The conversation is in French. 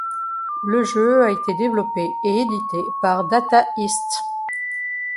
Le jeu a été développé et édité par Data East.